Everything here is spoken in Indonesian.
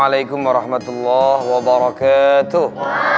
waalaikumsalam warahmatullahi wabarakatuh